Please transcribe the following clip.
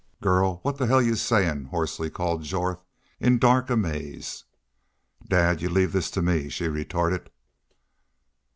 "Girl, what the hell are y'u sayin'?" hoarsely called Jorth, in dark amaze. "Dad, y'u leave this to me," she retorted.